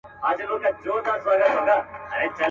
ټول ګونګي دي ورته ګوري ژبي نه لري په خولو کي.